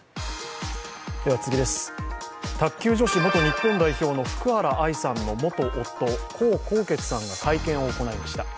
卓球女子元日本代表の福原愛さんの元夫、江宏傑さんが会見を行いました。